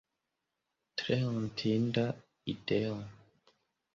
Tre hontinda ideo!